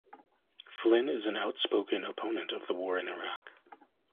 Flynn is an outspoken opponent of the war in Iraq.